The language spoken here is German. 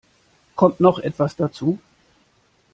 Kommt noch etwas dazu?